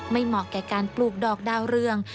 เหมาะแก่การปลูกดอกดาวเรือง